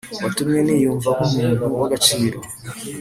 watumye niyumva nk’umuntu w’agaciro